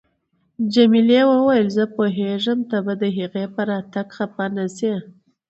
جميلې وويل: زه پوهیږم ته به د هغې په راتګ خفه نه شې.